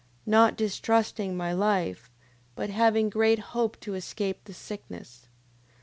Not distrusting my life, but having great hope to escape the sickness.